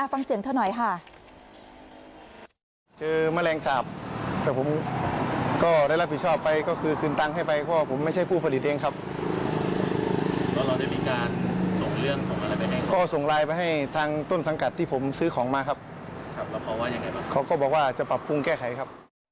ฟังเสียงเธอหน่อยค่ะ